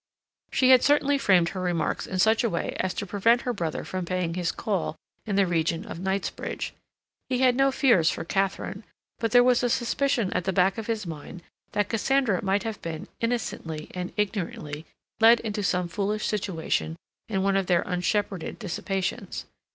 She had certainly framed her remarks in such a way as to prevent her brother from paying his call in the region of Knightsbridge. He had no fears for Katharine, but there was a suspicion at the back of his mind that Cassandra might have been, innocently and ignorantly, led into some foolish situation in one of their unshepherded dissipations.